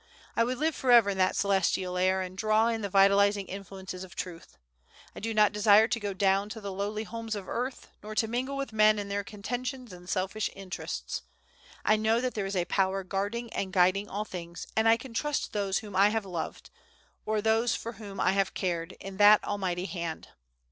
I would live forever in that celestial air, and draw in the vitalizing influences of truth. I do not desire to go down to the lowly homes of earth, nor to mingle with men in their contentions and selfish interests. I know that there is a Power guarding and guiding all things, and I can trust those whom I have loved, or those for whom I have cared, in that Almighty Hand.